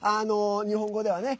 日本語ではね。